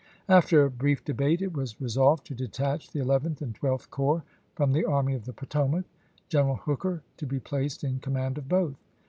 After a brief debate, it was re solved to detach the Eleventh and Twelfth Corps from the Army of the Potomac, General Hooker to be placed in command of both.